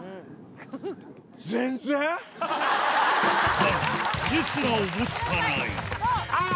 だがこれすらおぼつかないあぁ！